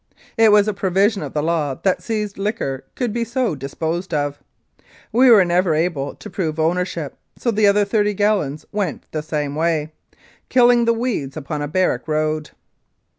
It was a provision of the law that seized liquor could be so disposed of. We were never able to prove ownership, so the other thirty gallons went the same way, killing the weeds upon a barrack road.